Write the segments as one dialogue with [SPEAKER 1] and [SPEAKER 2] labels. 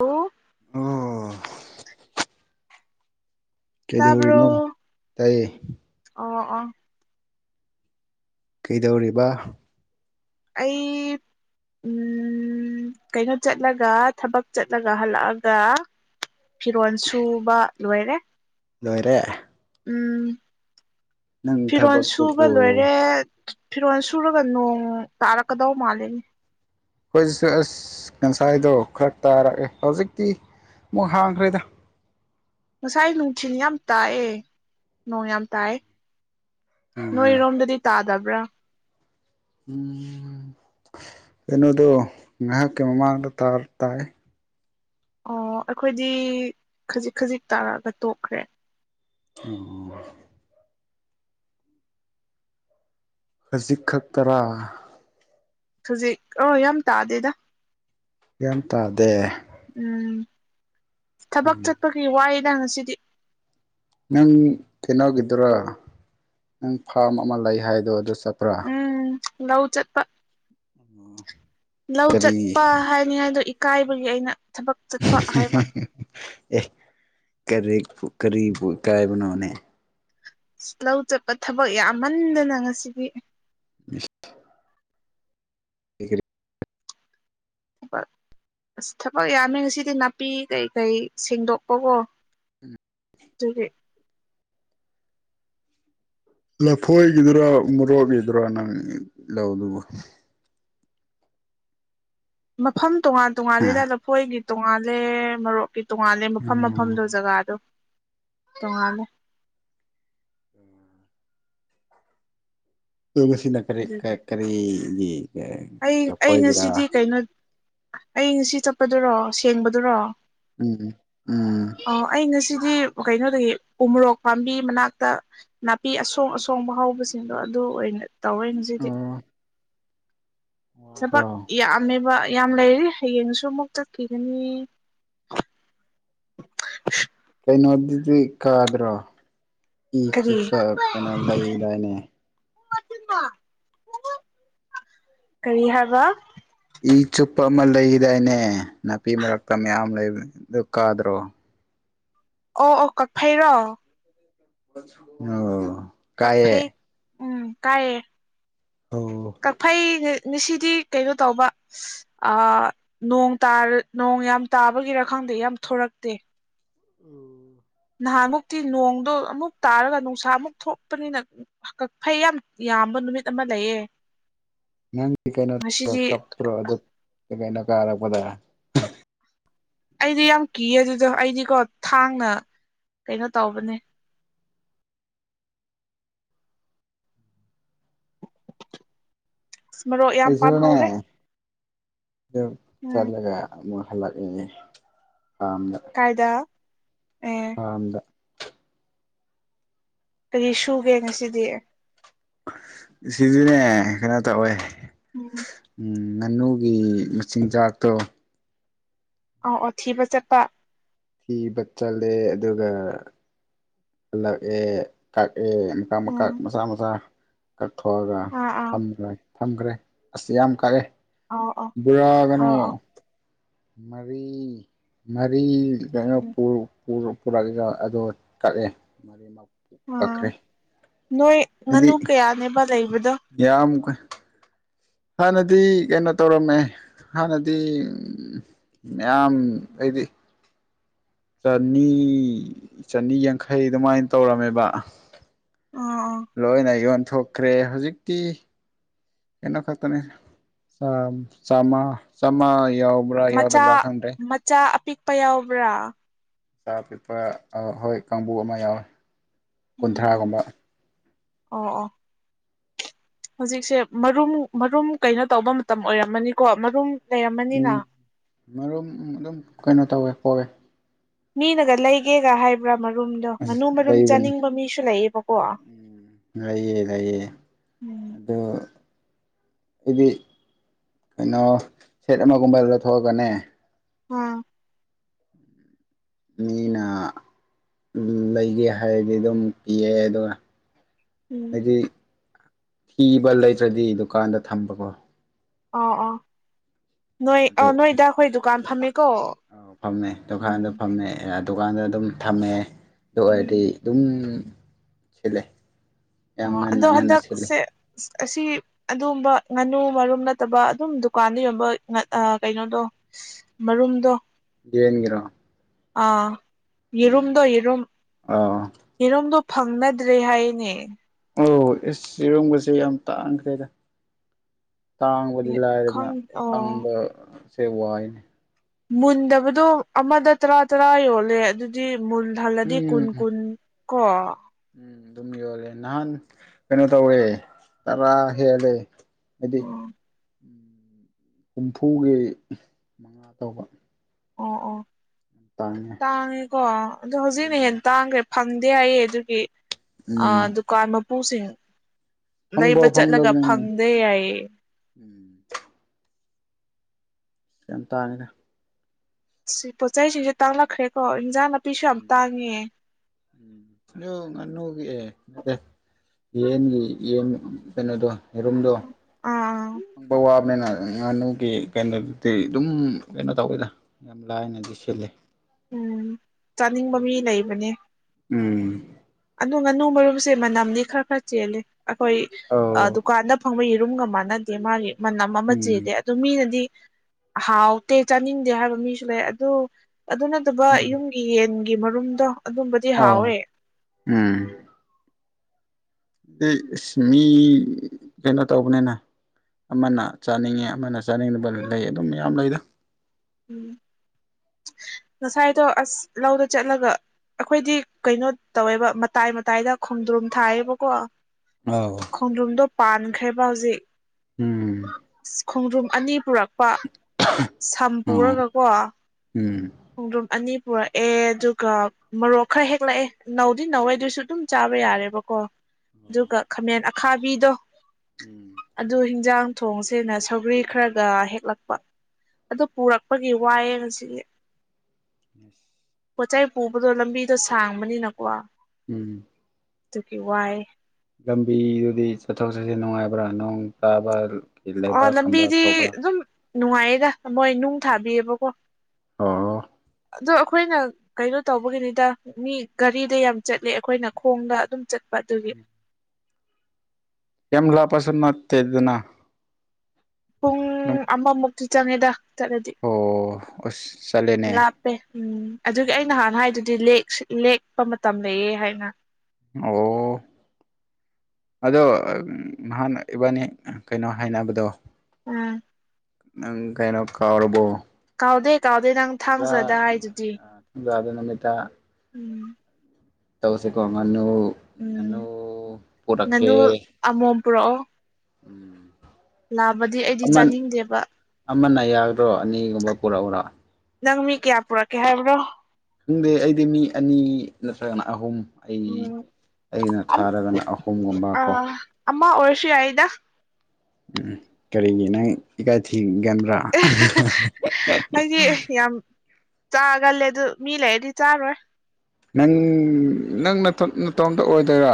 [SPEAKER 1] ꯑꯣ
[SPEAKER 2] ꯑꯣ
[SPEAKER 1] ꯇꯥꯕꯔꯣ
[SPEAKER 2] ꯀꯩꯗꯧꯔꯤꯅꯣ ꯇꯥꯏꯌꯦ
[SPEAKER 1] ꯑꯣ ꯑꯣ
[SPEAKER 2] ꯀꯩꯗꯧꯔꯤꯕ
[SPEAKER 1] ꯑꯩ ꯎꯝ ꯎꯝ ꯀꯩꯅꯣ ꯆꯠꯂꯒ ꯊꯕꯛ ꯆꯠꯂꯒ ꯍꯜꯂꯛꯑꯒ ꯐꯤꯔꯣꯟ ꯁꯨꯕ ꯂꯣꯏꯔꯦ
[SPEAKER 2] ꯂꯣꯏꯔꯦ
[SPEAKER 1] ꯎꯝ
[SPEAKER 2] ꯅꯪ
[SPEAKER 1] ꯐꯤꯔꯣꯟ ꯁꯨꯕ
[SPEAKER 2] ꯊꯕꯛꯇꯨꯕꯨ
[SPEAKER 1] ꯂꯣꯏꯔꯦ ꯐꯤꯔꯣꯟ ꯁꯨꯔꯒ ꯅꯣꯡ ꯇꯥꯔꯛꯀꯗꯧ ꯃꯥꯜꯂꯦꯅꯦ
[SPEAKER 2] ꯑꯈꯣꯏꯁꯤꯁꯨ ꯑꯁ ꯉꯁꯥꯏꯗꯣ ꯈꯔ ꯇꯥꯔꯛꯑꯦ ꯍꯧꯖꯤꯛꯇꯤ ꯑꯃꯨꯛ ꯍꯥꯡꯈ꯭ꯔꯦꯗ
[SPEAKER 1] ꯉꯁꯥꯏ ꯅꯨꯡꯊꯤꯟ ꯌꯥꯝ ꯇꯥꯏꯑꯦ ꯅꯣꯡ ꯌꯥꯝ ꯇꯥꯏ
[SPEAKER 2] ꯎꯝ
[SPEAKER 1] ꯅꯣꯏꯔꯣꯝꯗꯗꯤ ꯇꯥꯗꯕ꯭ꯔꯥ
[SPEAKER 2] ꯎꯝ ꯀꯩꯅꯣꯗꯣ ꯉꯥꯏꯍꯥꯛꯀꯤ ꯃꯃꯥꯡꯗ ꯇ ꯇꯥꯏ
[SPEAKER 1] ꯑꯣ ꯑꯩꯈꯣꯏꯗꯤ ꯈꯖꯤꯛ ꯈꯖꯤꯛ ꯇꯥꯔꯛꯑꯒ ꯇꯣꯛꯈ꯭ꯔꯦ
[SPEAKER 2] ꯑꯣ ꯈꯖꯤꯛ ꯈꯛꯇꯔꯥ
[SPEAKER 1] ꯈꯖꯤꯛ ꯑ ꯌꯥꯝ ꯇꯥꯗꯦꯗ
[SPEAKER 2] ꯌꯥꯝ ꯇꯥꯗꯦ
[SPEAKER 1] ꯎꯝ ꯊꯕꯛ
[SPEAKER 2] ꯎꯝ
[SPEAKER 1] ꯆꯠꯄꯒꯤ ꯋꯥꯏꯗ ꯉꯁꯤꯗꯤ
[SPEAKER 2] ꯅꯪ ꯀꯩꯅꯣꯒꯤꯗꯨꯔꯥ ꯅꯪ ꯐꯥꯝ ꯑꯃ ꯂꯩ ꯍꯥꯏꯗꯣ ꯑꯗꯨ ꯆꯠꯄ꯭ꯔꯥ
[SPEAKER 1] ꯎꯝ ꯂꯧ ꯆꯠꯄ ꯂꯧ
[SPEAKER 2] ꯀꯔꯤ
[SPEAKER 1] ꯆꯠꯄ ꯍꯥꯏꯅꯤꯉꯥꯏꯗꯣ ꯏꯛ ꯀꯥꯏꯕꯒꯤ ꯑꯩꯅ ꯊꯕꯛ ꯆꯠꯄ ꯍꯥꯏꯕ
[SPEAKER 2] ꯑꯦ ꯀꯔꯤ ꯀꯔꯤꯕꯨ ꯏꯀꯥꯏꯕꯅꯣꯅꯦ
[SPEAKER 1] ꯂꯧ ꯆꯠꯄ ꯊꯕꯛ ꯌꯥꯝꯃꯟꯗꯅ ꯉꯁꯤꯒꯤ
[SPEAKER 2] [unintelligible]
[SPEAKER 1] ꯊꯕꯂ ꯑꯁ ꯊꯕꯛ ꯌꯥꯝꯃꯦ ꯉꯁꯤꯗꯤ ꯅꯥꯄꯤ ꯀꯩꯀꯩ ꯁꯦꯡꯗꯣꯛꯄꯒꯣ
[SPEAKER 2] [unintelligible]
[SPEAKER 1] [unintelligible]
[SPEAKER 2] ꯂꯐꯣꯏꯒꯤꯗꯨꯔꯥ ꯃꯣꯔꯣꯛꯒꯤꯗꯨꯔꯥ ꯅꯪ ꯂꯧꯗꯨꯕꯨ
[SPEAKER 1] ꯃꯐꯝ ꯇꯣꯉꯥꯟ ꯇꯣꯉꯥꯂꯦꯗ
[SPEAKER 2] ꯍꯥ
[SPEAKER 1] ꯂꯐꯣꯏꯒꯤ ꯇꯣꯉꯥꯜꯂꯦ ꯃꯔꯨꯞ ꯀ‌ꯦ ꯇꯣꯉꯥꯜꯂꯦ ꯃꯐꯝ
[SPEAKER 2] ꯎꯝ
[SPEAKER 1] ꯃꯐꯝꯗꯣ ꯖꯒꯥꯗꯣ ꯇꯣꯉꯥꯜꯂꯦ
[SPEAKER 2] ꯎꯝ ꯑꯗꯨꯒ [unintelligible] ꯁꯤꯅ ꯀꯔꯤ
[SPEAKER 1] ꯑꯗꯨꯒꯤ
[SPEAKER 2] ꯀꯔꯤꯒꯤ
[SPEAKER 1] ꯑꯩ ꯑꯩ ꯉꯁꯤꯗꯤ
[SPEAKER 2] ꯂꯐꯣꯏꯒꯤꯔꯥ
[SPEAKER 1] ꯀꯩꯅꯣ ꯑꯩ ꯉꯁꯤ ꯆꯠꯄꯗꯨꯔꯣ ꯁꯦꯡꯕꯗꯨꯔꯣ
[SPEAKER 2] ꯎꯝ ꯎꯝ
[SPEAKER 1] ꯑꯣ ꯑꯩ ꯉꯁꯤꯗꯤ ꯀꯩꯅꯣꯗꯒꯤ ꯎꯃꯨꯔꯣꯛ ꯄꯥꯝꯕꯤ ꯃꯅꯥꯛꯇ ꯅꯥꯄꯤ ꯑꯁꯣꯡ ꯑꯁꯣꯡꯕ ꯍꯧꯕꯁꯤꯡꯗꯣ ꯑꯗꯨ ꯑꯣꯏꯅ ꯇꯧꯔꯦ ꯉꯁꯤꯗꯤ
[SPEAKER 2] ꯑꯣ
[SPEAKER 1] ꯊꯕꯛ
[SPEAKER 2] ꯋꯥꯕ꯭ꯔꯣ
[SPEAKER 1] ꯌꯥꯝꯃꯦꯕ ꯌꯥꯝ ꯂꯩꯔꯤ ꯍꯌꯦꯡꯁꯨ ꯑꯃꯨꯛ ꯇꯠꯈꯤꯒꯅꯤ
[SPEAKER 2] ꯀꯩꯅꯣꯗꯨꯗꯤ ꯀꯥꯗ꯭ꯔꯣ ꯏ
[SPEAKER 1] ꯀꯔꯤ
[SPEAKER 2] ꯆꯨꯞꯄ ꯀꯩꯅꯣ ꯂꯩꯗꯥꯏꯅꯦ
[SPEAKER 1] ꯀꯔꯤ ꯍꯥꯏꯕ
[SPEAKER 2] ꯏ ꯆꯨꯞꯄ ꯑꯃ ꯂꯩꯈꯤꯗꯥꯏꯅꯦ ꯅꯥꯄꯤ ꯃꯔꯛꯇ ꯃꯌꯥꯝ ꯂꯩꯕꯗꯨ ꯀꯥꯗ꯭ꯔꯣ
[SPEAKER 1] ꯑꯣ ꯑꯣ ꯀꯛꯐꯩꯔꯣ
[SPEAKER 2] ꯑꯣ
[SPEAKER 1] ꯀꯛ
[SPEAKER 2] ꯀꯥꯏꯌꯦ
[SPEAKER 1] ꯐꯩ ꯎꯝ ꯀꯥꯏꯌ‌ꯦ
[SPEAKER 2] ꯑꯣ
[SPEAKER 1] ꯐꯩ ꯉꯁꯤꯗꯤ ꯀꯩꯅꯣ ꯇꯧꯕ ꯑꯥ ꯅꫭꯡ ꯇꯥꯔ ꯅꯣꯡ ꯌꯥꯝ ꯇꯥꯕꯒꯤꯔ ꯈꯪꯗ‌ꯦ ꯌꯥꯝ ꯊꯣꯔꯛꯇꯦ
[SPEAKER 2] ꯎꯝ
[SPEAKER 1] ꯅꯍꯥꯟꯃꯨꯛꯇꯤ ꯅꯣꯡꯗꯣ ꯑꯃꯨꯛ ꯇꯥꯔꯒ ꯅꯨꯡꯁꯥ ꯑꯃꯨꯛ ꯊꯣꯛꯄꯅꯤꯅ ꯀꯛ ꯐꯩ ꯌꯥꯝ ꯌꯥꯝꯕ ꯅꯨꯃꯤꯠ ꯑꯃ ꯂꯩꯌꯦ
[SPEAKER 2] ꯅꯪꯗꯤ ꯀꯩꯅꯣ ꯇꯧ
[SPEAKER 1] ꯉꯁꯤꯗꯤ
[SPEAKER 2] ꯀꯞꯇ꯭ꯔꯣ ꯑꯗꯨ ꯀꯩꯅꯣ ꯀꯥꯔꯛꯄꯗ
[SPEAKER 1] ꯑꯩꯗꯤ ꯌꯥꯝ ꯀꯤꯌꯦ ꯑꯗꯨꯗꯣ ꯑꯩꯗꯤꯀꯣ ꯊꯥꯡꯅ ꯀꯩꯅꯣ ꯇꯧꯕꯅꯦ ꯏꯁ ꯃꯔꯣꯛ ꯌꯥꯝ ꯄꯥꯟꯍꯧꯔꯦ
[SPEAKER 2] ꯑꯩꯁꯨꯅꯦ [unintelligible] ꯆꯠꯂꯒ ꯑꯃ ꯍꯜꯂꯛꯑ‌ꯦ ꯐꯥꯝꯗ
[SPEAKER 1] ꯀꯥꯏꯗꯥ ꯑꯦ
[SPEAKER 2] ꯐꯥꯝꯗ
[SPEAKER 1] ꯀꯔꯤ ꯁꯨꯒꯦ ꯉꯁꯤꯗꯤ
[SPEAKER 2] ꯉꯁꯤꯗꯤꯅꯦ ꯀꯩꯅꯣ ꯇꯧꯋꯦ
[SPEAKER 1] ꯎꯝ
[SPEAKER 2] ꯎꯝ ꯉꯥꯅꯨꯒꯤ ꯃꯆꯤꯟꯖꯥꯛꯇꯣ
[SPEAKER 1] ꯑꫭ ꯑꫭ ꯊꯤꯕ ꯆꯠꯄ
[SPEAKER 2] ꯊꯤꯕ ꯆꯜꯂꯦ ꯑꯗꯨꯒ ꯍꯜꯂꯛꯑꯦ ꯀꯛꯑꯦ ꯃꯀꯥꯛ ꯃꯀꯥꯛ
[SPEAKER 1] ꯎꯝ
[SPEAKER 2] ꯃꯆꯥ ꯃꯆꯥ ꯀꯛꯊꯣꯛꯑꯒ
[SPEAKER 1] ꯑꯥ ꯑꯥ
[SPEAKER 2] ꯊꯝꯈꯦ ꯊꯝꯈ꯭ꯔꯦ ꯑꯁ ꯌꯥꯝ ꯀꯛꯑꯦ
[SPEAKER 1] ꯑꯥꯎ ꯑꯥꯎ
[SPEAKER 2] ꯕꫭꯔꯥ
[SPEAKER 1] ꯑꯥꯎ
[SPEAKER 2] ꯀ‌ꯩꯅꫭ
[SPEAKER 1] ꯑꯥꯎ
[SPEAKER 2] ꯃꯔꯤ ꯃꯔꯤ ꯀꯩꯅꫭ
[SPEAKER 1] ꯎꯝ
[SPEAKER 2] ꯄꯨꯔ ꯄꯨꯔꯛꯑꯒ ꯑꯗꯣ ꯀꯛꯑꯦ ꯃꯔꯤꯃꯛ ꯀꯛꯈ꯭ꯔꯦ
[SPEAKER 1] ꯑꯥ ꯅꯣꯏ
[SPEAKER 2] ꯍꯥꯏꯗꯤ
[SPEAKER 1] ꯉꯥꯅꯨ ꯀꯌꯥꯅꯦꯕ ꯂꯩꯕꯗꯣ
[SPEAKER 2] ꯌꯥꯝ [unintelligible] ꯍꯥꯟꯅꯗꯤ ꯀꯩꯅꯣ ꯇꯧꯔꯝꯃꯦ ꯍꯥꯟꯅꯗꯤ ꯎꯝ ꯃꯌꯥꯝ ꯑꯩꯗꯤ ꯆꯅꯤ ꯆꯅꯤ ꯌꯥꯡꯈꯩ ꯑꯗꯨꯃꯥꯏꯅ ꯇꯧꯔꯝꯃꯦꯕ
[SPEAKER 1] ꯑꯥ ꯑꯥ
[SPEAKER 2] ꯂꯣꯏꯅ ꯌꯣꯟꯊꯣꯛꯈ꯭ꯔꯦ ꯍꯧꯖꯤꯛꯇꯤ ꯀꯩꯅꫭ ꯈꯥꯛꯇꯅꯦ ꯆꯥꯝ ꯆꯥꯝꯃ ꯌꯥꯎ
[SPEAKER 1] ꯃꯆꯥ ꯃꯆꯥ ꯑꯄꯤꯛꯄ ꯌꯥꯎꯕ꯭ꯔꯥ
[SPEAKER 2] ꯃꯆꯥ ꯑꯄꯤꯛꯄ ꯑꯥ ꯍꯣꯏ ꯀꯥꯡꯕꯨ ꯑꯃ ꯌꯥꯎꯋꯦ
[SPEAKER 1] ꯎꯝ ꯎꯝ
[SPEAKER 2] ꯀꯨꯟꯊ꯭ꯔꯥꯒꯨꯝꯕ
[SPEAKER 1] ꯑꯣ ꯑꯣ ꯍꯧꯖꯤꯛꯁꯦ ꯃꯔꯨꯝ ꯃꯔꯨꯝ ꯀꯩꯅꯣ ꯇꯧꯕ ꯃꯇꯝ ꯑꯣꯏꯔꯝꯃꯅꯤꯀꯣ ꯃꯔꯨꯝ ꯂꯩꯔꯝꯃꯅꯤꯅ
[SPEAKER 2] ꯎꯝ ꯃꯔꯨꯝ ꯑꯗꯨꯝ ꯀꯩꯅꯣ ꯇꯧꯋꯦ ꯄꯣꯛꯑꯦ
[SPEAKER 1] ꯃꯤꯅꯒꯔꯂ ꯆꯒꯦꯒ ꯍꯥꯏꯕ꯭ꯔꯥ ꯃꯔꯨꯝꯗꯣ ꯉꯥꯅꯨ ꯃꯔꯨꯝ
[SPEAKER 2] ꯂꯩꯕꯅꯤ
[SPEAKER 1] ꯆꯥꯅꯤꯡꯕ ꯃꯤꯁꯨ ꯂꯩꯌꯦꯕꯀꯣ
[SPEAKER 2] ꯀ ꯂꯩꯑꯌꯦ
[SPEAKER 1] ꯎꯝ
[SPEAKER 2] ꯗ ꯑꯩꯗꯤ ꯀꯩꯅꯣ ꯁꯦꯠ ꯑꯃꯒꯨꯝꯕ ꯂꯧꯊꯣꯛꯑꯒꯅꯦ
[SPEAKER 1] ꯑꯣꯝ
[SPEAKER 2] ꯃꯤꯅ ꯂꯩꯒꯦ ꯍꯥꯏꯔꯗꯤ ꯑꯗꯨꯝ ꯄꯤꯌꯦ ꯑꯗꯨꯒ
[SPEAKER 1] ꯎꯝ
[SPEAKER 2] ꯍꯥꯏꯗꯤ ꯊꯤꯕ ꯂꯩꯇ꯭ꯔꯗꯤ ꯗꯨꯀꯥꯟꯗ ꯊꯝꯕꯀꯣ
[SPEAKER 1] ꯑ ꯑꯥ ꯅꯣꯏ ꯑ ꯅꯣꯏꯗ ꯑꯩꯈꯣꯏ ꯗꯨꯀꯥꯟ ꯐꯝꯃꯦꯀꯣ
[SPEAKER 2] ꯑ ꯐꯝꯃꯦ
[SPEAKER 1] ꯎꯝ
[SPEAKER 2] ꯗꯨꯀꯥꯟꯗ ꯐꯝꯃꯦ ꯗꯨꯀꯥꯟꯗ ꯑꯗꯨꯝ ꯊꯝꯃꯦꯦ ꯑꯗꯨꯋꯥꯔꯗꯤ
[SPEAKER 1] ꯎꯝ
[SPEAKER 2] ꯑꯗꯨꯝ ꯁꯤꯠꯂꯦ ꯌꯥꯝ
[SPEAKER 1] ꯑꯣ
[SPEAKER 2] ꯉꯟꯅ
[SPEAKER 1] ꯑꯗꯣ
[SPEAKER 2] ꯉꯟꯅ ꯁꯤꯠꯂꯦ
[SPEAKER 1] ꯍꯟꯗꯛꯁꯦ ꯑꯁꯤ ꯑꯗꯨꯒꯨꯝꯕ ꯉꯥꯅꯨ ꯃꯔꯨꯝ ꯅꯠꯇꯕ ꯑꯗꯨꯝ ꯗꯨꯀꯥꯟꯗ ꯌꯣꯟꯕ ꯀꯩꯅꯣꯗꯣ ꯃꯔꯨꯝꯗꯣ
[SPEAKER 2] ꯉ꯭ꯔꯣ
[SPEAKER 1] ꯑꯥ ꯏꯔꯨꯝꯗꯣ ꯏꯔꯨꯝ
[SPEAKER 2] ꯑꯥ
[SPEAKER 1] ꯌꯦꯔꯣꯝꯗꯣ ꯐꯪꯅꯗ꯭ꯔꯦ ꯍꯥꯏꯅꯦ
[SPEAKER 2] ꯑꯣ ꯑꯦꯁ ꯆꯔꯣꯡꯕꯁꯦ ꯌꯥꯝ ꯇꯥꯛꯈ꯭ꯔꯦꯗ ꯇꯥꯡꯕꯗꯤ ꯂꯥꯏꯔꯅ
[SPEAKER 1] ꯈꯪ ꯑꯣ
[SPEAKER 2] ꯐꯪꯕꯁꯦ ꯋꯥꯏꯅꯦ
[SPEAKER 1] ꯃꯨꯟꯗꯕꯗꯣ ꯑꯃꯗ ꯇꯔꯥ ꯇꯔꯥ ꯌꯣꯜꯂꯦ ꯑꯗꯨꯗꯤ ꯃꯨꯟꯍꯜꯂꯗꯤ ꯀꯨꯟ
[SPEAKER 2] ꯎꯝ
[SPEAKER 1] ꯀꯨꯟ ꯀꯣ
[SPEAKER 2] ꯎꯝ ꯑꯗꯨꯝ ꯌꯣꯜꯂꯦ ꯅꯍꯥꯟ ꯀꯩꯅꯣ ꯇꯧꯋꯦ ꯇꯔꯥ ꯍꯦꯜꯂꯦ ꯑꯗꯨꯗꯤ
[SPEAKER 1] ꯎꯝ
[SPEAKER 2] ꯍꯨꯝꯐꯨꯒꯤ ꯃꯉꯥ ꯇꯧꯕ
[SPEAKER 1] ꯑꯣ ꯑꯣ
[SPEAKER 2] ꯇꯥꯏꯅꯦ
[SPEAKER 1] ꯇꯥꯡꯉꯦꯀꯣ ꯑꯗꯣ ꯍꯧꯖꯤꯛꯅ
[SPEAKER 2] ꯎꯝ
[SPEAKER 1] ꯍꯦꯟꯅ ꯇꯥꯡꯈ꯭ꯔꯦ ꯐꯪꯗꯦ ꯍꯥꯏꯌꯦ ꯑꯗꯨꯒꯤ
[SPEAKER 2] ꯎꯝ
[SPEAKER 1] ꯗꯨꯀꯥꯟ ꯃꯄꯨꯁꯤꯡ
[SPEAKER 2] ꯐꯪꯕ꯭ꯔꯣ
[SPEAKER 1] ꯂꯩꯕ ꯆꯠꯂꯒ
[SPEAKER 2] ꯐꯪꯗꯕ꯭ꯔ
[SPEAKER 1] ꯐꯪꯗꯦ ꯌꯥꯏꯌꯦ
[SPEAKER 2] ꯎꯝ ꯌꯥꯝ ꯇꯥꯡꯉꯤꯗꯦ
[SPEAKER 1] ꯁꯤ ꯄꯣꯠꯆꯩ ꯆꯩꯁꯤꯡꯁꯦ ꯇꯥꯡꯂꯛꯈ꯭ꯔꯦꯀꯣ ꯏꯟꯖꯥꯡ ꯅꯥꯄꯤꯁꯨ ꯌꯥꯝ
[SPEAKER 2] ꯎꯝ
[SPEAKER 1] ꯇꯥꯡꯉꯦ
[SPEAKER 2] ꯎꯝ ꯑꯣ ꯉꯟꯅꯣꯒꯤ ꯑꯦꯠꯇꯦ ꯌꯦꯟꯒꯤ ꯌꯦꯟ ꯀꯩꯅꯣꯗꯣ ꯌꯦꯔꯨꯝꯗꯣ
[SPEAKER 1] ꯑꯥ
[SPEAKER 2] ꯈꯪꯕ ꯋꯥꯕꯅꯤꯅ ꯉꯥꯅꯨꯒꯤ ꯀꯩꯅꯣꯗꯨꯗꯤ ꯑꯗꯨꯝ ꯀꯩꯅꯣ ꯇꯧꯋꯤꯗ ꯌꯥꯝ ꯂꯥꯏꯅꯗꯤ ꯁꯤꯜꯂꯤ
[SPEAKER 1] ꯎꯝ ꯆꯥꯅꯤꯡꯕ ꯃꯤ ꯂꯩꯕꯅꯦ
[SPEAKER 2] ꯎꯝ
[SPEAKER 1] ꯑꯣ ꯉꯥꯅꯨ ꯃꯔꯨꯝꯁꯦ ꯃꯅꯝꯗꯤ ꯈꯔ ꯈꯔ ꯆꯦꯜꯂꯦ ꯑꯩꯈꯣꯏ
[SPEAKER 2] ꯑꯧ
[SPEAKER 1] ꯗꯨꯀꯥꯟꯗ ꯐꯪꯕ ꯌꯦꯔꯨꯝꯒ ꯃꯥꯟꯅꯗꯦ ꯃꯥꯒꯤ ꯃꯅꯝ ꯑꯃ
[SPEAKER 2] ꯎꯝ
[SPEAKER 1] ꯆꯦꯗꯦ ꯑꯗꯨ ꯃꯤꯅꯗꯤ ꯍꯥꯎꯇꯦ ꯆꯥꯅꯤꯡꯗꯦ ꯍꯥꯏꯕ ꯃꯤꯁꯨ ꯂꯩ ꯑꯗꯨ ꯑꯗꯨꯅ ꯑꯗꯨꯒ
[SPEAKER 2] ꯎꯝ
[SPEAKER 1] ꯌꯨꯝꯒꯤ ꯌꯦꯟꯒꯤ ꯃꯔꯨꯝꯗꯣ ꯑꯗꯨꯝꯕꯗꯤ
[SPEAKER 2] ꯑꯧ
[SPEAKER 1] ꯍꯥꯎꯋꯦ
[SPEAKER 2] ꯎꯝ ꯑꯗꯩ ꯑꯁ ꯃꯤ ꯀꯩꯅꯣ ꯇꯧꯕꯅꯤꯅ ꯑꯃꯅ ꯆꯥꯅꯤꯡꯉꯦ ꯑꯃꯅ ꯆꯥꯅꯤꯡꯗꯕ ꯂꯩ ꯑꯗꯨꯝ ꯃꯌꯥꯝ ꯂꯩꯗ
[SPEAKER 1] ꯎꯝ ꯉꯁꯥꯏꯗꯣ ꯑꯁ ꯂꯧꯗ ꯆꯠꯂꯒ ꯑꯩꯈꯣꯏꯗꯤ ꯀꯩꯅꯣ ꯇꯧꯋꯦꯕ ꯃꯇꯥꯏ ꯃꯇꯥꯏꯗ ꯈꯣꯡꯗ꯭ꯔꯨꯝ ꯊꯥꯏꯌꯦꯕꯀꯣ
[SPEAKER 2] ꯑꯣ
[SPEAKER 1] ꯈꯣꯡꯗ꯭ꯔꯨꯝꯗꯣ ꯄꯥꯟꯈ꯭ꯔꯦꯕ ꯍꯧꯖꯤꯛ
[SPEAKER 2] ꯎꯝ
[SPEAKER 1] ꯈꯣꯡꯗ꯭ꯔꯨꯝ ꯑꯅꯤ ꯄꯨꯔꯛꯄ ꯁꯝ
[SPEAKER 2] ꯑꯣ
[SPEAKER 1] ꯄꯨꯔꯒꯀꯣ
[SPEAKER 2] ꯎꯝ
[SPEAKER 1] ꯈꯣꯡꯗ꯭ꯔꯣꯝ ꯑꯅꯤ ꯄꯨꯔꯛꯑꯦ ꯑꯗꯨꯒ ꯃꯔꯣꯔꯣꯛ ꯈꯔ ꯍꯦꯛꯂꯛꯑꯦ ꯅꯧꯗꯤ ꯅꯧꯋꯦ ꯑꯗꯨꯏꯁꯨ ꯑꯗꯨꯝ ꯆꯥꯕ ꯌꯥꯔꯦꯕꯀꯣ ꯀꯣ ꯑꯗꯨꯒ ꯈꯥꯃꯦꯟ ꯑꯈꯥꯕꯤꯗꯣ
[SPEAKER 2] ꯎꯝ
[SPEAKER 1] ꯑꯗꯨ ꯍꯤꯟꯖꯥꯡ ꯊꯣꯡꯁꯦꯅ ꯁꯧꯒ꯭ꯔꯤ ꯈꯔꯒ ꯍꯦꯛꯂꯛꯄ ꯑꯗꯨ ꯄꯨꯔꯛꯄꯒꯤ ꯋꯥꯏꯌꯦ ꯉꯁꯤꯗꯤ
[SPEAKER 2] ꯌꯦꯁ
[SPEAKER 1] ꯄꯣꯠꯆꯩ ꯄꯨꯕꯗꯣ ꯂꯝꯕꯤꯗꯣ ꯁꯥꯡꯕꯅꯤꯅꯀꯣ
[SPEAKER 2] ꯎꯝ
[SPEAKER 1] ꯑꯗꯨꯒꯤ ꯋꯥꯏ
[SPEAKER 2] ꯂꯝꯕꯤꯗꯨꯗꯤ ꯆꯠꯊꯣꯛ ꯆꯠꯁꯤꯟ ꯅꯨꯡꯉꯥꯏꯕ꯭ꯔꯥ ꯅꯣꯡ ꯇꯥꯕ
[SPEAKER 1] ꯑꯣ
[SPEAKER 2] ꯂꯩꯕꯥꯛꯀꯨꯝꯕ
[SPEAKER 1] ꯂꯝꯕꯤꯗꯤ
[SPEAKER 2] ꯊꯣꯛꯄ꯭ꯔꯥ
[SPEAKER 1] ꯑꯗꯨꯝ ꯅꯨꯡꯉꯥꯏꯌꯦꯗ ꯃꯣꯏ ꯅꯨꯡ ꯊꯥꯕꯤꯌꯦꯕꯀꯣ
[SPEAKER 2] ꯑꯣ
[SPEAKER 1] ꯑꯗ‌ꯣ ꯑꯩꯈꯣꯏꯅ ꯀꯩꯅꯣ ꯇꯧꯕꯒꯤꯅꯤꯗ ꯃꯤ ꯒꯥꯔꯤꯗ ꯌꯥꯝ ꯆꯠꯂꯦ ꯑꯩꯈꯣꯏꯅ ꯈꯣꯡꯗ ꯑꯗꯨꯝ ꯆꯠꯄ ꯑꯗꯨꯒꯤ
[SPEAKER 2] ꯌꯥꯝ ꯂꯥꯞꯄꯁꯨ ꯅꯠꯇꯦ ꯑꯗꯨꯅ
[SPEAKER 1] ꯄꯨꯡ ꯑꯃꯃꯨꯛꯇꯤ ꯆꯪꯉꯦꯗ ꯆꯠꯂꯗꯤ
[SPEAKER 2] ꯑꯣ ꯑꯁ ꯆꯠꯂꯦꯅꯦ
[SPEAKER 1] ꯂꯥꯞ ꯄ‌ꯦ ꯎꯝ ꯑꯗꯨꯒꯤ ꯑꯩ ꯅꯍꯥꯟꯅ ꯍꯥꯏꯗꯨꯗꯤ ꯂ‌ꯦꯛꯁ ꯂꯦꯛꯄ ꯃꯇꯝ ꯂꯩꯌꯦ ꯍꯥꯏꯅ
[SPEAKER 2] ꯑꯣ ꯑꯗꯣ ꯅꯍꯥꯟ ꯏꯕꯥꯅꯤ ꯀꯩꯅꯣ ꯍꯥꯏꯅꯕꯗꯣ
[SPEAKER 1] ꯎꯝ
[SPEAKER 2] ꯅꯪ ꯀꯩꯅ‌ꯣ ꯀꯥꯎꯔꯕꯣ
[SPEAKER 1] ꯀꯥꯎꯗꯦ ꯀꯥꯎꯗꯦ ꯅꯪ
[SPEAKER 2] ꯊꯥꯡꯖꯥ
[SPEAKER 1] ꯊꯥꯡꯖꯗ ꯍꯥꯏꯗꯨꯗꯤ
[SPEAKER 2] ꯊꯥꯡꯖꯥꯗ ꯅꯨꯃꯤꯠꯇ
[SPEAKER 1] ꯎꯝ
[SPEAKER 2] ꯇꯧꯁꯤꯀꯣ ꯉꯅꯨ ꯉꯅꯨ ꯄꯨꯔꯛꯀꯦ
[SPEAKER 1] ꯑꯝꯔ‌ꯣꯝ ꯄꯨꯔꯛꯑꯣ
[SPEAKER 2] ꯎꯝ
[SPEAKER 1] ꯂꯥꯕꯗꯤ ꯑꯩꯗꯤ
[SPEAKER 2] ꯑꯃꯟ
[SPEAKER 1] ꯆꯥꯅꯤꯡꯗꯦꯕ
[SPEAKER 2] ꯑꯃꯅ ꯌꯥꯒꯗ꯭ꯔꯣ ꯑꯅꯤꯒꯨꯝꯕ ꯄꯨꯔꯛꯎꯔ‌ꯣ
[SPEAKER 1] ꯅꯪ ꯃꯤ ꯀꯌꯥ ꯄꯨꯔꯛꯀꯦ ꯍꯥꯏꯕ꯭ꯔꯣ
[SPEAKER 2] ꯈꯪꯗ‌ꯦ ꯑꯩꯗꯤ ꯃꯤ ꯑꯅꯤ ꯅꯠꯇ꯭ꯔꯒꯅ ꯑꯍꯨꯝ ꯑꯩ
[SPEAKER 1] ꯎꯝ
[SPEAKER 2] ꯑꯩꯅ ꯊꯥꯔꯒꯅ ꯑꯍꯨꯝꯒꯨꯝꯕ ꯀꯣ
[SPEAKER 1] ꯑꯥ ꯑꯃ ꯑꯣꯏꯔꯁꯨ ꯌꯥꯏꯗ
[SPEAKER 2] ꯎꯝ ꯀꯔꯤꯒꯤ ꯅꯪ ꯏꯀꯥꯏ ꯊꯤꯒꯟꯕ꯭ꯔꯥ
[SPEAKER 1] ꯑꯩꯗꯤ ꯌꯥꯝ ꯆꯥꯒꯜꯂꯦ ꯑꯗꯨ ꯃꯤ ꯂꯩꯔꯗꯤ ꯆꯥꯔꯣꯏ
[SPEAKER 2] ꯅꯪ ꯅꯪ ꯅꯊ‌ꯣꯟ ꯅꯇ‌ꯣꯝꯇ ꯑꯣꯏꯗꯣꯏꯔꯥ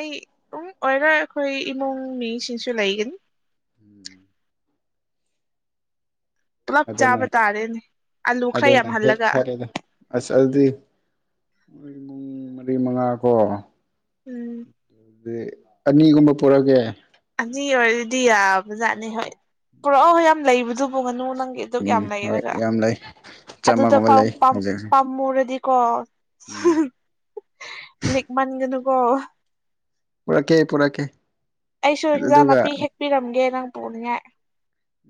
[SPEAKER 1] ꯑꯩ ꯎꯝ ꯑꯣꯏꯔ‌ꯣꯏ ꯑꯩꯈꯣꯏ ꯏꯃꯨꯡ ꯃꯤꯁꯤꯡꯁꯨ ꯂꯩꯒꯅꯤ
[SPEAKER 2] ꯎꯝ
[SPEAKER 1] ꯄꯨꯂꯞ
[SPEAKER 2] ꯑꯗꯨꯅ
[SPEAKER 1] ꯆꯥꯕ ꯇꯥꯔꯦꯅꯦ ꯑꯂꯨ ꯈꯔ
[SPEAKER 2] ꯑꯗꯨꯅ ꯍꯦꯛ
[SPEAKER 1] ꯌꯥꯝꯍꯜꯂꯒ
[SPEAKER 2] ꯐꯔꯦꯗꯣ ꯑꯁ ꯑꯗꯨꯗꯤ ꯄꯨꯡ ꯃꯔꯤ ꯃꯉꯥ ꯀꯣ
[SPEAKER 1] ꯎꯝ
[SPEAKER 2] ꯑꯗꯨ ꯑꯅꯤꯒꯨꯝꯕ ꯄꯨꯔꯛꯒꯦ
[SPEAKER 1] ꯑꯅꯤ ꯑꯣꯏꯔꯗꯤ ꯌꯥꯕꯖꯥꯠꯅꯤ ꯍꯣꯏ ꯄꯨꯔꯛꯑꯣ ꯍꯣꯏ ꯌꯥꯝ ꯂꯩꯕꯗꯨꯕꯨ ꯉꯥꯅꯨ ꯅꯪ ꯑꯗꯨꯛ ꯌꯥꯝ
[SPEAKER 2] ꯎꯝ ꯍꯣꯏ
[SPEAKER 1] ꯂꯩꯔꯒ
[SPEAKER 2] ꯌꯥꯝ ꯂꯩ
[SPEAKER 1] ꯑꯗꯨꯗ
[SPEAKER 2] ꯆꯥꯝꯃꯒꯨꯝꯕ
[SPEAKER 1] ꯐꯥꯎ
[SPEAKER 2] ꯂꯩ
[SPEAKER 1] ꯄꯥꯝ
[SPEAKER 2] ꯍꯧꯖꯤꯛ
[SPEAKER 1] ꯄꯥꯝꯃꯨꯔꯗꯤ ꯀꯣ
[SPEAKER 2] ꯎꯝ
[SPEAKER 1] ꯂꯤꯛꯃꯟꯒꯅꯨꯀꯣ
[SPEAKER 2] ꯄꯨꯔꯛꯀꯦ ꯄꯨꯔꯛꯀꯦ
[SPEAKER 1] ꯑꯩꯁꯨ ꯍꯤꯟꯖꯥꯡ
[SPEAKER 2] ꯑꯗꯨꯒ
[SPEAKER 1] ꯅꯥꯄꯤ ꯍꯦꯛꯄꯤꯔꯝꯒꯦ ꯅꯪ ꯄꯨꯅꯤꯡꯉꯥꯏ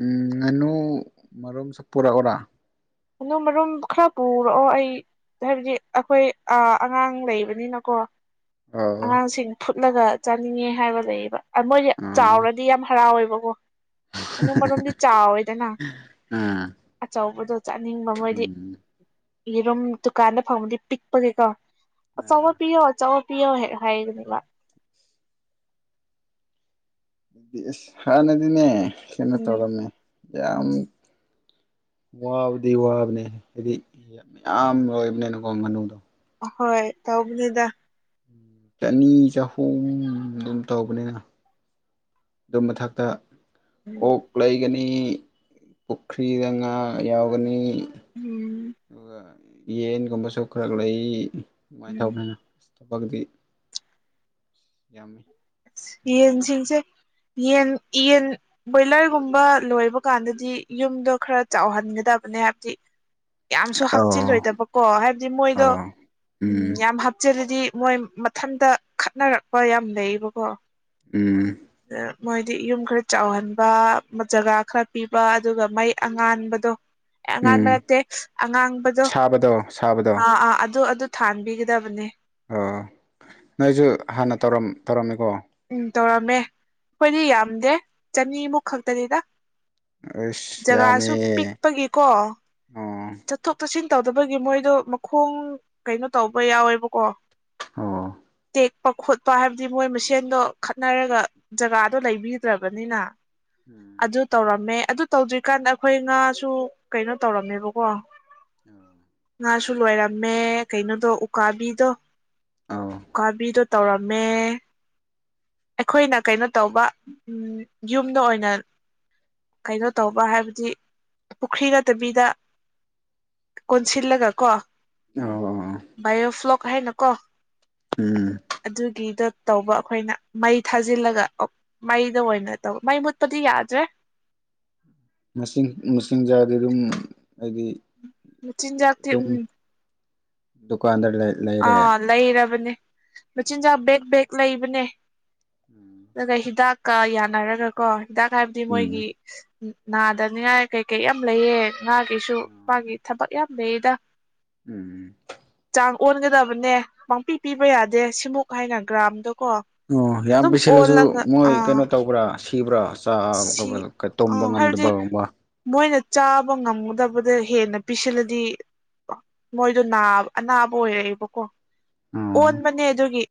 [SPEAKER 2] ꯎꯝ ꯉꯥꯅꯨ ꯃꯔ‌ꯣꯝꯁꯨ ꯄꯨꯔꯛꯎꯔꯥ
[SPEAKER 1] ꯉꯅꯨ ꯃꯔꯨꯝ ꯈꯔ ꯄꯨꯔꯛꯑꯣ ꯑꯩ ꯍꯥꯏꯕꯗꯤ ꯑꯩꯈꯣꯏ ꯑꯥ ꯑꯉꯥꯡ ꯂꯩꯕꯅꯤꯅꯀꯣ
[SPEAKER 2] ꯑꯣ
[SPEAKER 1] ꯑꯉꯥꯡꯁꯤꯡ ꯐꯨꯠꯂꯒ ꯆꯥꯅꯤꯡꯉꯦ ꯍꯥꯏꯕ ꯂꯩꯌꯦꯕ ꯃꯣꯏꯗꯤ
[SPEAKER 2] ꯑꯣ
[SPEAKER 1] ꯆꯥꯎꯔꯗꯤ ꯌꯥꯝ ꯍꯔꯥꯎꯋꯦꯕꯀꯣ ꯉꯅꯨ ꯃꯔꯣꯝꯗꯤ ꯆꯥꯎꯋꯦꯗꯅ
[SPEAKER 2] ꯑꯥ
[SPEAKER 1] ꯑꯆꯥꯎꯕꯗ‌ꯣ ꯆꯥꯅꯤꯡꯕ ꯃꯣꯏꯗꯤ
[SPEAKER 2] ꯎꯝ
[SPEAKER 1] ꯌꯦꯔꯨꯝ ꯗꯨꯀꯥꯟꯗ ꯐꯪꯕꯗꯤ ꯄꯤꯛꯄꯒꯤꯀꯣ ꯑꯆꯥꯄ‌ꯣꯠ
[SPEAKER 2] ꯑꯗꯨꯗꯤ
[SPEAKER 1] ꯄꯤꯌꯣ ꯑꯆꯥꯄ‌ꯣꯠ ꯄꯤꯌꯣ ꯍ‌ꯦꯛ ꯍꯥꯏꯒꯅꯤꯕ
[SPEAKER 2] ꯑꯗꯨꯗꯤ ꯏꯁ ꯍꯥꯟꯅꯗꯤꯅꯦ ꯀꯩꯅꯣ
[SPEAKER 1] ꯎꯝ
[SPEAKER 2] ꯇꯧꯔꯝꯃꯦ ꯌꯥꯝ ꯋꯥꯕꯨꯗꯤ ꯋꯥꯕꯅꯦ ꯍꯥꯏꯗꯤ ꯃꯌꯥꯝ ꯂꯣꯏꯕꯅꯦꯅꯀꯣ ꯃꯅꯨꯡꯗꯣ
[SPEAKER 1] ꯍꯣꯏ ꯇꯧꯕꯅ‌ꯦꯗ
[SPEAKER 2] ꯆꯅꯤ ꯆꯍꯨꯝ ꯑꯗꯨꯝ ꯇꯧꯕꯅꯤꯅ ꯑꯗꯨ ꯃꯊꯛꯇ
[SPEAKER 1] ꯎꯝ
[SPEAKER 2] ꯑꯣꯛ ꯂꯩꯒꯅꯤ ꯄꯨꯈ꯭ꯔꯤꯗ ꯉꯥ ꯌꯥꯎꯒꯅꯤ꯫
[SPEAKER 1] ꯎꯝ
[SPEAKER 2] ꯑꯗꯨꯒ ꯌꯦꯟꯒꯨꯝꯕꯁꯨ ꯈꯔ ꯂꯩ ꯑꯗꯨꯃꯥꯏꯅ
[SPEAKER 1] ꯎꯝ
[SPEAKER 2] ꯇꯧꯗꯅ ꯊꯕꯛꯇꯗꯤ ꯌꯥꯝꯃꯤ꯫ ꯋꯥꯏ
[SPEAKER 1] ꯌꯦꯟꯁꯤꯡꯁꯦ ꯌꯦꯟ ꯌꯦꯟ ꯕꯣꯏꯂꯔꯒꯨꯝꯕ ꯂꯣꯏꯕ ꯀꯥꯟꯗꯗꯤ ꯌꯨꯝꯗꯣ ꯈꯔ ꯆꯥꯎꯍꯟꯒꯗꯕꯅꯦ ꯍꯥꯏꯕꯗꯤ ꯌꯥꯝꯁꯨ
[SPEAKER 2] ꯑꯧ
[SPEAKER 1] ꯍꯥꯞꯆꯤꯜꯂꯣꯏꯗꯕꯀꯣ ꯍꯥꯏꯕꯗꯤ ꯃꯣꯏꯗꯣ
[SPEAKER 2] ꯑꯧ
[SPEAKER 1] ꯎꯝ ꯌꯥꯝ ꯍꯥꯞꯆꯤꯜꯂꯗꯤ ꯃꯣꯏ ꯏꯊꯟꯇ ꯈꯠꯅꯔꯛꯄ ꯌꯥꯝ ꯂꯩꯌꯦꯕꯀꯣ꯫
[SPEAKER 2] ꯎꯝ
[SPEAKER 1] ꯃꯣꯏꯗꯤ ꯌꯨꯝ ꯈꯔ ꯆꯥꯎꯍꯟꯕ ꯖꯒꯥ ꯈꯔ ꯄꯤꯕ ꯑꯗꯨꯒ ꯃꯥꯏ ꯑꯉꯥꯟꯕꯗꯣ ꯑꯦ ꯑꯉꯥꯟꯕ
[SPEAKER 2] ꯎꯝ
[SPEAKER 1] ꯅꯠꯇꯦ ꯑꯉꯥꯡꯕꯗꯣ
[SPEAKER 2] ꯁꯥꯕꯗꯣ ꯁꯥꯕꯗꯣ
[SPEAKER 1] ꯑꯥ ꯑꯥ ꯑꯗꯨ ꯑꯗꯨ ꯊꯥꯟꯕꯤꯒꯗꯕꯅꯦ꯫
[SPEAKER 2] ꯑꯣ ꯅꯣꯏꯁꯨ ꯍꯥꯟꯅ ꯇꯧꯔꯝ ꯇꯧꯔꯝꯃꯤꯀꯣ꯫
[SPEAKER 1] ꯎꯝ ꯇꯧꯔꯝꯃꯦ ꯑꯩꯈꯣꯏꯗꯤ ꯌꯥꯝꯗꯦ ꯆꯅꯤꯃꯨꯛ ꯈꯛꯇꯅꯤꯗ꯫
[SPEAKER 2] ꯑꯁ ꯌꯥꯝꯃꯦ
[SPEAKER 1] ꯖꯒꯥꯁꯨ ꯄꯤꯛꯄꯒꯤꯀꯣ
[SPEAKER 2] ꯑꯣ
[SPEAKER 1] ꯆꯠꯊꯣꯛ ꯆꯠꯁꯤꯟ ꯇꯧꯗꯕꯒꯤ ꯃꯣꯏꯗꯣ ꯃꯈꯣꯡ ꯀꯩꯅꯣ ꯇꯧꯕ ꯌꯥꯎꯋꯦꯕꯀꯣ
[SPEAKER 2] ꯑꯣ
[SPEAKER 1] ꯇꯦꯛꯄ ꯈꯣꯠꯄ ꯍꯥꯏꯕꯗꯤ ꯃꯣꯏ ꯃꯁꯦꯟꯗꯣ ꯈꯠꯅꯔꯒ ꯖꯒꯥꯗꯣ ꯂꯩꯕꯤꯗ꯭ꯔꯕꯅꯤꯅ
[SPEAKER 2] ꯎꯝ
[SPEAKER 1] ꯑꯗꯨ ꯇꯧꯔꯝꯃꯦ ꯑꯗꯨ ꯇꯧꯗ꯭ꯔꯤꯀꯥꯟꯗ ꯑꯩꯈꯣꯏ ꯉꯥꯁꯨ ꯀꯩꯅꯣ ꯇꯧꯔꯝꯃꯦꯕꯀꯣ
[SPEAKER 2] [inaudible]
[SPEAKER 1] ꯉꯥꯁꯨ ꯂꯣꯏꯔꯝꯃꯦ ꯀꯩꯅꯣꯗꯣ ꯎꯀꯥꯕꯤꯗꯣ
[SPEAKER 2] ꯑꯧ
[SPEAKER 1] ꯎꯀꯥꯕꯤꯗꯣ ꯇꯧꯔꯝꯃꯦ ꯑꯩꯈꯣꯏꯅ ꯀꯩꯅꯣ ꯇꯧꯕ ꯌꯨꯝꯗ ꯑꯣꯏꯅ ꯀꯩꯅꯣ ꯇꯧꯕ ꯍꯥꯏꯕꯗꯤ ꯄꯨꯈ꯭ꯔꯤ ꯅꯠꯇꯕꯤꯗ ꯀꯣꯟꯁꯤꯜꯂꯒ ꯀꯣ
[SPEAKER 2] ꯑꯣ ꯑꯣ
[SPEAKER 1] ꯕꯥꯏꯑꯣꯐ꯭ꯂꯣꯛ ꯍꯥꯏꯅꯀꯣ
[SPEAKER 2] ꯎꯝ
[SPEAKER 1] ꯑꯗꯨꯒꯤꯗꯣ ꯇꯧꯕ ꯑꯩꯈꯣꯏꯅ ꯃꯩ ꯊꯥꯖꯤꯜꯂꯒ ꯃꯩꯗ ꯑꯣꯏꯅ ꯇꯧ ꯃꯩ ꯃꯨꯠꯄꯗꯤ ꯌꯥꯗ꯭ꯔꯦ꯫
[SPEAKER 2] ꯃꯁꯤꯡ ꯃꯁꯤꯡꯤꯟꯖꯥꯗꯤ ꯑꯗꯨꯝ ꯍꯥꯏꯗꯤ
[SPEAKER 1] ꯃꯆꯤꯟꯖꯥꯛꯇꯤ ꯎꯝ
[SPEAKER 2] ꯗꯨꯀꯥꯟꯗ ꯂꯩ꯫ ꯂꯩꯔꯦ
[SPEAKER 1] ꯑꯥ ꯂꯩꯔꯕꯅꯦ ꯃꯆꯤꯟꯖꯥꯛ ꯕꯦꯛ ꯕꯦꯛ ꯂꯩꯕꯅꯦ꯫
[SPEAKER 2] ꯎꯝ
[SPEAKER 1] ꯑꯗꯨꯒ ꯍꯤꯗꯥꯛꯀ ꯌꯥꯅꯔꯒ ꯀꯣ ꯍꯤꯗꯥꯛ ꯍꯥꯏꯕꯗꯤ
[SPEAKER 2] ꯎꯝ
[SPEAKER 1] ꯃꯣꯏꯒꯤ ꯅꯥꯗꯅꯤꯉꯥꯏ ꯀꯩ ꯀꯩ ꯌꯥꯝ ꯂꯩꯑ ꯉꯥꯒꯤꯁꯨ ꯃꯥꯒꯤ ꯊꯕꯛ ꯌꯥꯝ ꯂꯩꯌꯦꯗ꯫
[SPEAKER 2] ꯎꯝ
[SPEAKER 1] ꯆꯥꯡ ꯑꯣꯟꯒꯗꯕꯅꯦ ꯄꯥꯡꯄꯤ ꯄꯤꯕ ꯌꯥꯗꯦ ꯁꯤꯃꯨꯛ ꯍꯥꯏꯅ ꯒ꯭ꯔꯥꯝꯗꯀꯣ
[SPEAKER 2] ꯑꯣ ꯌꯥꯝ ꯄꯤꯁꯤꯜꯂꯁꯨ ꯃꯣꯏ ꯀꯩꯅꯣ ꯇꯧꯕ꯭ꯔꯥ ꯁꯤꯕ꯭ꯔꯥ ꯆꯥ
[SPEAKER 1] ꯁꯤ ꯑ
[SPEAKER 2] ꯇꯨꯝꯕ
[SPEAKER 1] ꯍꯥꯏꯕꯗꯤ
[SPEAKER 2] ꯉꯝꯗꯕꯒꯨꯝꯕ
[SPEAKER 1] ꯃꯣꯏꯅ ꯆꯥꯕ ꯉꯝꯒꯗꯕꯗ ꯍꯦꯟꯅ ꯄꯤꯁꯤꯜꯂꯗꯤ ꯃꯣꯏꯗꯣ ꯅꯥꯕ ꯑꯅꯥꯕ ꯑꯣꯏꯔꯛꯑꯦꯕꯀꯣ
[SPEAKER 2] ꯑꯣ
[SPEAKER 1] ꯑꯣꯟꯕꯅꯦ ꯑꯗꯨꯒꯤ